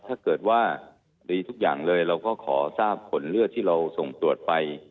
ถ้าเกิดว่าดีทุกอย่างเลยเราก็ขอทราบผลเลือดที่เราส่งตรวจไป